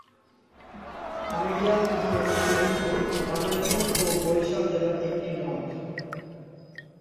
আড়িয়াল খাঁ হচ্ছে ফরিদপুর, মাদারীপুর ও বরিশাল জেলার একটি নদ।